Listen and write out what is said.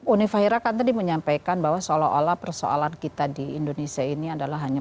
uni fahira kan tadi menyampaikan bahwa seolah olah persoalan kita di indonesia ini adalah hanya